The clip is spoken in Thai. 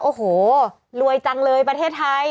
โอ้โหรวยจังเลยประเทศไทย